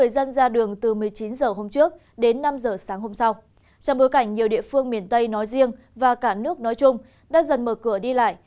trong bối cảnh nhiều địa phương miền tây nói riêng và cả nước nói chung đã dần mở cửa đi lại